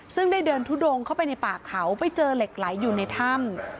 ซึ่งได้เดินทุดงเข้าไปในป่าเขาไปเจอเหล็กไหลอยู่ในถ้ำ